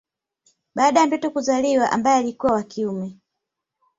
Baada ya mtoto kuzaliwa ambaye alikuwa wa kiume